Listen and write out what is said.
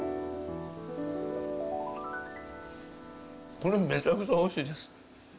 これめちゃくちゃおいしいです。